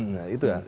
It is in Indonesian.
nah itu ya